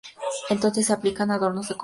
Entonces, se aplican adornos decorativos.